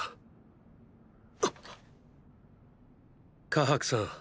カハクさん